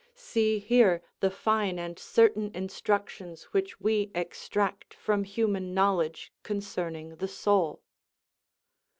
See here the fine and certain instructions which we extract from human knowledge concerning the soul.